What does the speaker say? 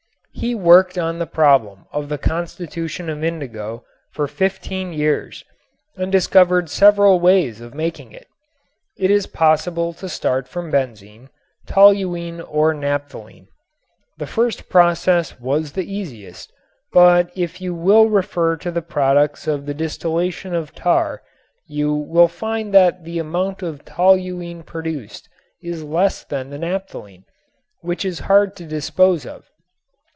He worked on the problem of the constitution of indigo for fifteen years and discovered several ways of making it. It is possible to start from benzene, toluene or naphthalene. The first process was the easiest, but if you will refer to the products of the distillation of tar you will find that the amount of toluene produced is less than the naphthalene, which is hard to dispose of.